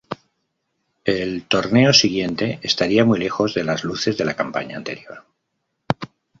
El torneo siguiente estaría muy lejos de las luces de la campaña anterior.